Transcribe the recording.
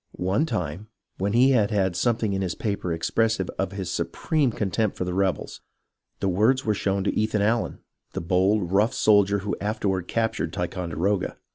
One time, when he had had something in his paper, expressive of his supreme con tempt for the rebels, the words were shown Ethan Allen, the bold, rough soldier who afterward captured Ticon deroga.